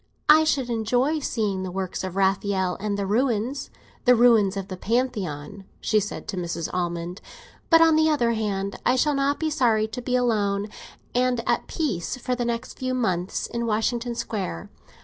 "I should enjoy seeing the works of Raphael and the ruins—the ruins of the Pantheon," she said to Mrs. Almond; "but, on the other hand, I shall not be sorry to be alone and at peace for the next few months in Washington Square.